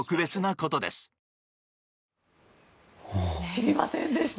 知りませんでした。